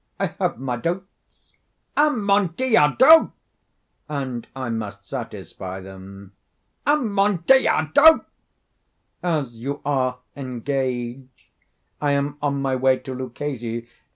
"I have my doubts." "Amontillado!" "And I must satisfy them." "Amontillado!" "As you are engaged, I am on my way to Luchesi.